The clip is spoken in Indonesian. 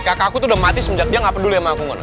kakakku tuh udah mati semenjak dia gak peduli sama aku ngonak